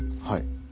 はい。